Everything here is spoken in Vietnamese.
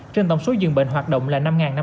trên tổng số dường bệnh hoạt động là năm năm trăm linh